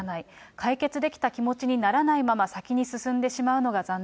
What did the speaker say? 解決できた気持ちにならないまま先に進んでしまうのが残念。